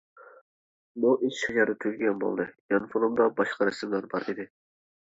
بۇ ئىش شۇ يەردە تۈگىگەن بولدى، يانفونۇمدا باشقا رەسىملەر بار ئىدى.